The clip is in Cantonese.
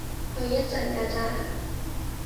去一陣㗎咋